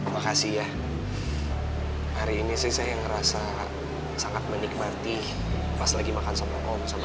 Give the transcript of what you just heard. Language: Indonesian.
makasih ya hari ini sih saya ngerasa sangat menikmati pas lagi makan sama om sama